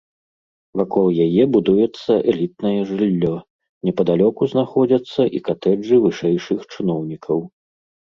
Вакол яе будуецца элітнае жыллё, непадалёку знаходзяцца і катэджы вышэйшых чыноўнікаў.